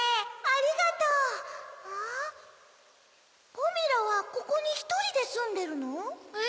ゴミラはここにひとりですんでるの？え？